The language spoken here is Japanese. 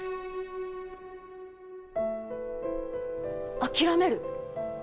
諦める？